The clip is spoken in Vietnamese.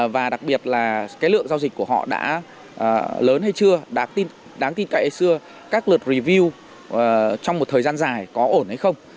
và đặc biệt là cái lượng giao dịch của họ đã lớn hay chưa đáng tin cậy hay chưa các lượt review trong một thời gian dài có ổn hay không